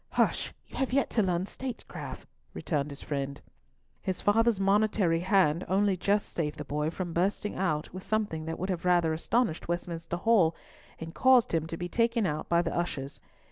"Hush! you have yet to learn statecraft," returned his friend. His father's monitory hand only just saved the boy from bursting out with something that would have rather astonished Westminster Hall, and caused him to be taken out by the ushers.